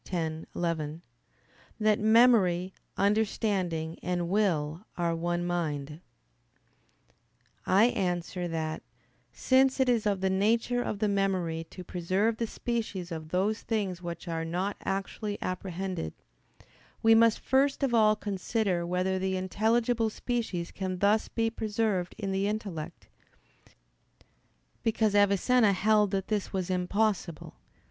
x, 11) that "memory, understanding, and will are one mind." I answer that, Since it is of the nature of the memory to preserve the species of those things which are not actually apprehended, we must first of all consider whether the intelligible species can thus be preserved in the intellect: because Avicenna held that this was impossible.